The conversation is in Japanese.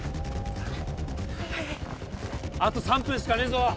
あと３分しかねえぞ！